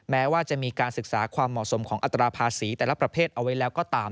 แม้ว่าจะมีการศึกษาความเหมาะสมของอัตราภาษีแต่ละประเภทเอาไว้แล้วก็ตาม